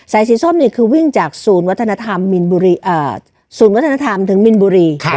สายสีส้มนี่คือวิ่งจากสูญวัฒนธรรมถึงมินบุรี